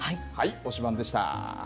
推しバン！でした。